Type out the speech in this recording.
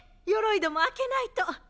よろい戸も開けないと。